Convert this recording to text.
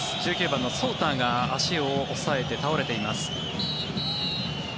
１９番のソウターが足を押さえて倒れています。